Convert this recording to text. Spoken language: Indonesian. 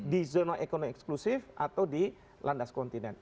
di zona ekonomi eksklusif atau di landas kontinen